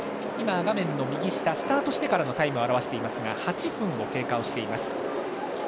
画面右下にはスタートしてからのタイムを表していますが８分を経過しています。